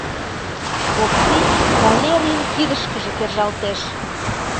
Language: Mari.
— Окси Валерийын кидышкыже кержалтеш.